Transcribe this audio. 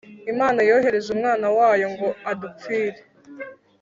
Imana yohereje Umwana wayo ngo adupfire